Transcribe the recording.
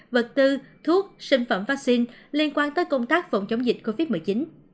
vật tư thuốc sinh phẩm vaccine liên quan tới công tác phòng chống dịch covid một mươi chín